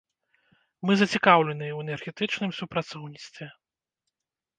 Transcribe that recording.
Мы зацікаўленыя ў энергетычным супрацоўніцтве.